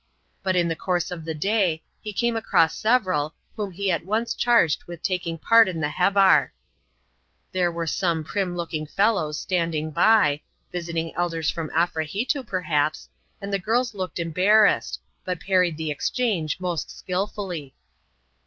But, in the course of the day, he came across . several, whom he at once charged with taking part in the* hevar." There were some prim looking fellows standing by (visiting elders from Afrehitoo, perhaps), and the girls looked embarrassed ; but parried the charge most skillfully.